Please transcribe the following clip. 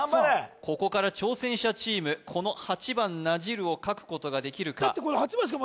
ここから挑戦者チームこの８番「なじる」を書くことができるかだって